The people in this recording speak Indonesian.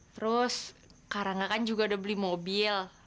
terus karena kan juga udah beli mobil